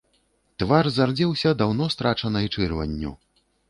Твар зардзеўся даўно страчанай чырванню.